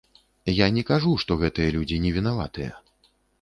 Я не кажу, што гэтыя людзі невінаватыя.